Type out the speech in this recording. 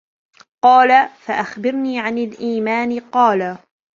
قالَ: فَأَخْبِرْنِي عَنِ الإيمانِ. قالَ: